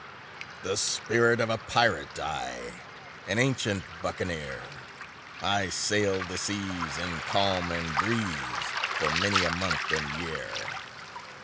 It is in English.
] The spirit of a pirate, I, An ancient buccaneer; I sailed the seas in calm and breeze For many a month and year.